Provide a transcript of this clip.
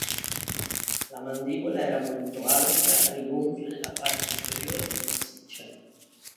La mandibola era molto alta, rigonfia nella parte inferiore e massiccia.